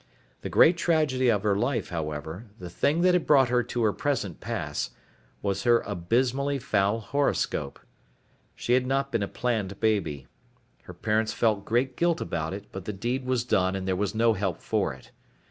The great tragedy of her life, however, the thing that had brought her to her present pass, was her abysmally foul horoscope. She had not been a planned baby. Her parents felt great guilt about it, but the deed was done and there was no help for it.